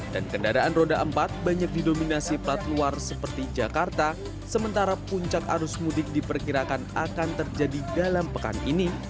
dan kendaraan roda empat banyak didominasi plat luar seperti jakarta sementara puncak arus mudik diperkirakan akan terjadi dalam pekan ini